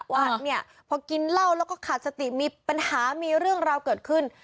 ว่าเนี่ยพอกินเหล้าแล้วก็ขาดสติมีปัญหามีเรื่องราวเกิดขึ้น